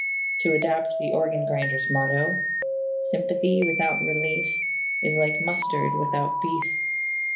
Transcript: To adapt the organ grinder's motto, Sympathy without relief Is like mustard without beef.